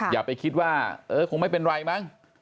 อย่าไปคิดว่าเออคงไม่เป็นไรมั้ง